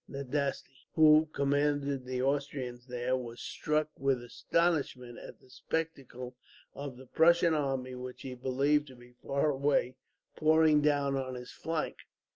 Nadasti, who commanded the Austrians there, was struck with astonishment at the spectacle of the Prussian army, which he believed to be far away, pouring down on his flank.